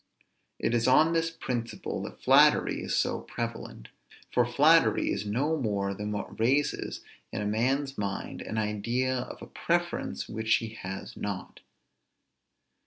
It is on this principle that flattery is so prevalent; for flattery is no more than what raises in a man's mind an idea of a preference which he has not.